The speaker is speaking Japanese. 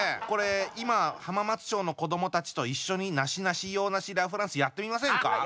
これ今浜松町の子どもたちと一緒に「なしなし洋なしラ・フランス」やってみませんか？